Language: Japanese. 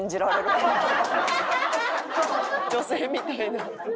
女性みたいな。